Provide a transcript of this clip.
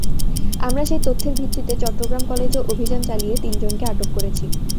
আমরা সেই তথ্যের ভিত্তিতে চট্টগ্রাম কলেজে অভিযান চালিয়ে তিনজনকে আটক করেছি।